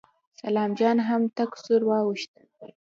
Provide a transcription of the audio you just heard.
سلام جان هم تک سور واوښت.